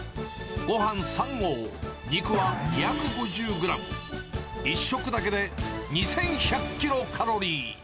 ごはん３合、肉は２５０グラム、１食だけで２１００キロカロリー。